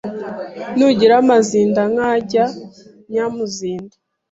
Ntugira amazinda nkajya Nyamuzinda